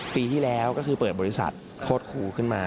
ปีที่แล้วก็คือเปิดบริษัทโคตรครูขึ้นมา